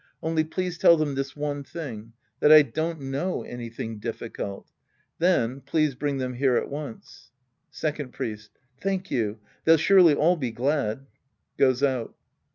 Only please tell them this one thing, that I don't know any thing difficult. Then please bring them here at once. Second Priest. Thank you. They'll surely all be glad. (Goes out.)